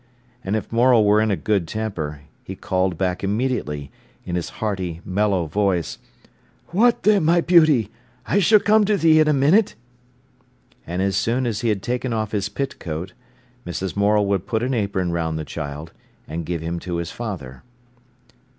And if Morel were in a good temper, he called back immediately, in his hearty, mellow voice: "What then, my beauty? I sh'll come to thee in a minute." And as soon as he had taken off his pit coat, Mrs. Morel would put an apron round the child, and give him to his father.